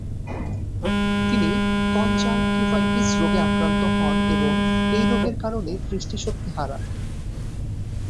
তিনি কনজাঙ্কটিভাইটিস রোগে আক্রান্ত হন এবং এই রোগের কারণে দৃষ্টিশক্তি হারান।